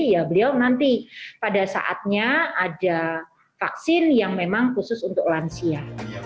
ya beliau nanti pada saatnya ada vaksin yang memang khusus untuk lansia